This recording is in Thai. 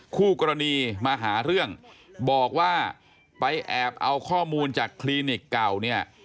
คู่กรณีมาหาเรื่องบอกว่าไปแอบเอาข้อมูลจากคลินิกเก่าเนี่ย